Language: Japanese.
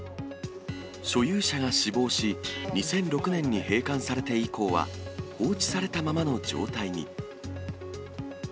所有者が死亡し、２００６年に閉館されて以降は、放置されたままの状態に。